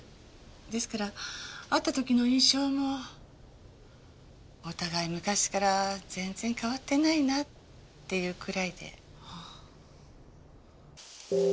ですから会った時の印象もお互い昔から全然変わってないなっていうくらいで。